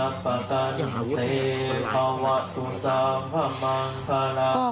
ก็ไม่ทราบนะครับ